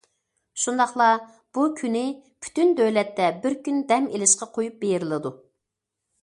شۇنداقلا، بۇ كۈنى پۈتۈن دۆلەتتە بىر كۈن دەم ئېلىشقا قويۇپ بېرىلىدۇ.